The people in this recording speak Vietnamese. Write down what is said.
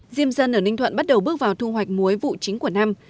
diêm dân ở ninh thuận bắt đầu bước vào thu hoạch muối vụ chính của năm